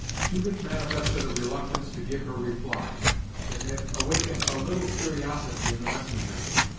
Judith manifested a reluctance to give her reply, that had awakened a little curiosity in the messenger.